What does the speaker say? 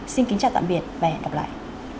xin kính chào tạm biệt và hẹn gặp lại